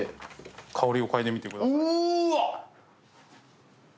香りを嗅いでみてください。